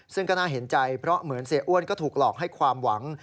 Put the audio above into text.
ซึ่งก็น่าเห็นใจเพราะเหมือนเสียอ้วนก็ถูกหลอกให้ความหวัง